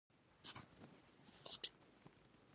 ازادي راډیو د اقتصاد په اړه د بریاوو مثالونه ورکړي.